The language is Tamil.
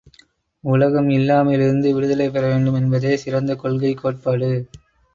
உலகம் இல்லாமையிலிருந்து விடுதலை பெற வேண்டும் என்பதே சிறந்த கொள்கை கோட்பாடு.